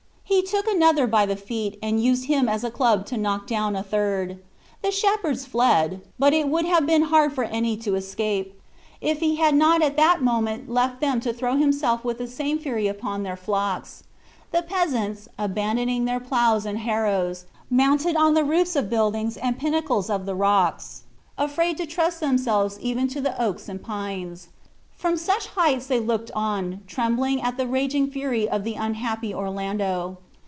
He took another by the feet, and used him as a club to knock down a third. The shepherds fled; but it would have been hard for any to escape, if he had not at that moment left them to throw himself with the same fury upon their flocks. The peasants, abandoning their ploughs and harrows, mounted on the roofs of buildings and pinnacles of the rocks, afraid to trust themselves even to the oaks and pines. From such heights they looked on, trembling at the raging fury of the unhappy Orlando.